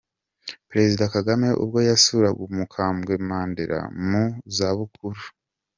Perezida Kagame ubwo yasuraga umukambwe Mandela mu zabukuru.